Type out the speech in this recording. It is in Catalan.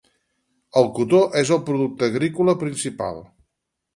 El Cotó és el producte agrícola principal.